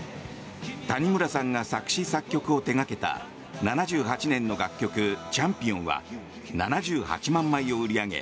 谷村さんが作詞作曲を手掛けた７８年の楽曲「チャンピオン」は７８万枚を売り上げ